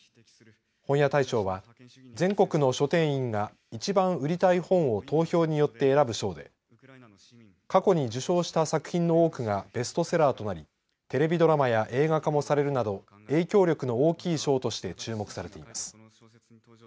本屋大賞は全国の書店員が、いちばん売りたい本を投票によって選ぶ賞で過去に受賞した作品の多くがベストセラーとなりテレビドラマや映画化もされるなど影響力の大きい賞として注目されています。